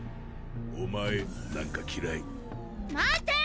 お前なんかきらい待て！